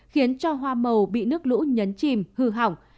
khiến cho hoa màu bị nước lũ nhấn chìm hư hỏng